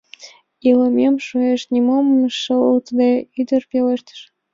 Илымем шуэш, — нимом шылтыде, ӱдыр пелештыш.